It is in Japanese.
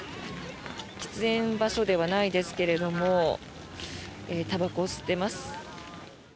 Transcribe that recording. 喫煙場所ではないですけれどもたばこを吸っています。